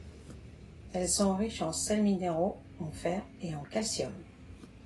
Elles sont riches en sels minéraux, en fer et en calcium.